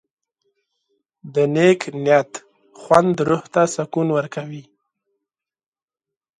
د نیک نیت خوند روح ته سکون ورکوي.